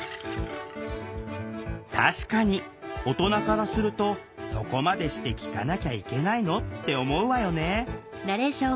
確かに大人からすると「そこまでして聴かなきゃいけないの？」って思うわよね。